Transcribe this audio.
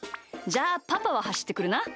じゃあパパははしってくるな。